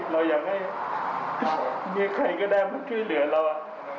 เราอยากให้มีใครก็ได้มาช่วยเหลือเรา